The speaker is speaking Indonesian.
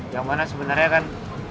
yang mana sebenarnya kan